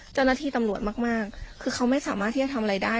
เจ้าหน้าที่ตำรวจมากมากคือเขาไม่สามารถที่จะทำอะไรได้